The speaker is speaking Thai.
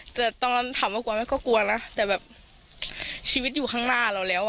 แต่ตอนนั้นถามว่ากลัวไหมก็กลัวนะแต่แบบชีวิตอยู่ข้างหน้าเราแล้วอ่ะ